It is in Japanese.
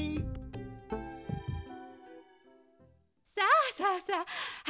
さあさあさあ